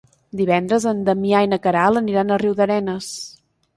Divendres en Damià i na Queralt aniran a Riudarenes.